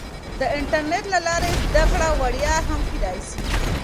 د انټرنیټ له لارې زده کړه وړیا هم کیدای سي.